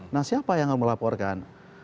nah siapa yang melaporkan